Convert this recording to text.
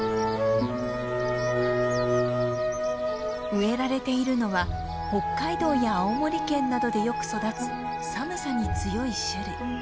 植えられているのは北海道や青森県などでよく育つ寒さに強い種類。